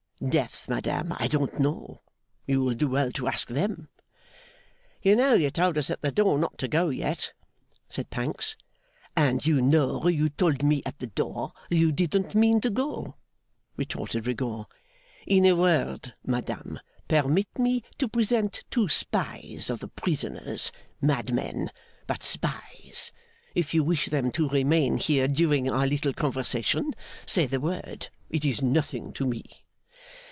Death, madame, I don't know. You will do well to ask them.' 'You know you told us at the door, not to go yet,' said Pancks. 'And you know you told me at the door, you didn't mean to go,' retorted Rigaud. 'In a word, madame, permit me to present two spies of the prisoner's madmen, but spies. If you wish them to remain here during our little conversation, say the word. It is nothing to me.